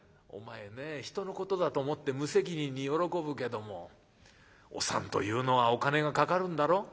「お前ねえひとのことだと思って無責任に喜ぶけどもお産というのはお金がかかるんだろ？」。